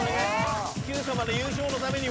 『Ｑさま！！』で優勝のためにも。